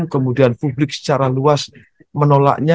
kemudian publik secara luas menolaknya